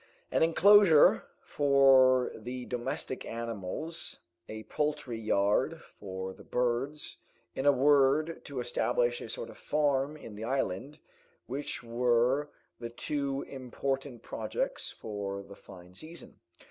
An enclosure for the domestic animals, a poultry yard for the birds, in a word to establish a sort of farm in the island, such were the two important projects for the fine season.